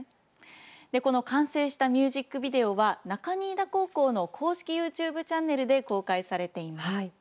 この完成したミュージックビデオは中新田高校の公式ユーチューブチャンネルで公開されています。